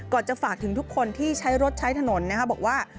ก่อนจะฝากถึงทุกคนที่ใช้รถใช้ถนนนะครับบอกว่า